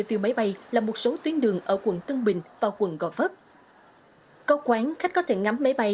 view máy bay là một số tuyến đường ở quận tân bình và quận gò vấp có quán khách có thể ngắm máy bay